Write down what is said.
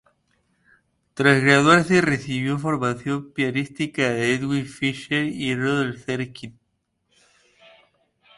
Tras graduarse recibió formación pianística de Edwin Fischer y Rudolf Serkin.